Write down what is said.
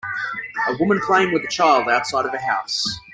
A woman playing with a child outside of a house.